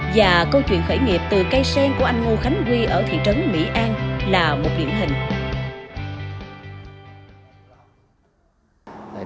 và câu chuyện khởi nghiệp từ cây sen của anh ngô khánh quy ở thị trấn mỹ an là một điển hình